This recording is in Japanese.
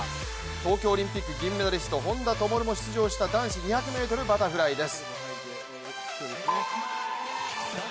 東京オリンピック銀メダリスト本多灯も出場した男子バタフライです。